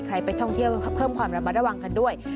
ไปท่องเที่ยวเพิ่มความระมัดระวังกันด้วย